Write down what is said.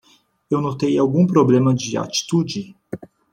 Eu notei algum problema de atitude?